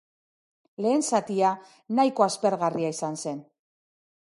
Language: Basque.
Lehen zatia nahiko aspergarria izan zen.